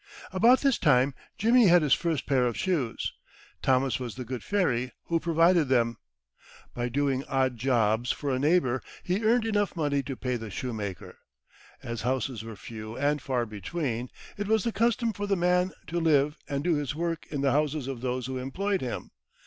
About this time Jimmy had his first pair of shoes. Thomas was the good fairy who provided them. By doing odd jobs for a neighbour, he earned enough money to pay the shoemaker. As houses were few and far between, it was the custom for the man to live and do his work in the houses of those who employed him.